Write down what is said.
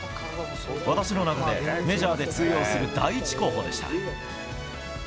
私の中で、メジャーで通用する第一候補でした。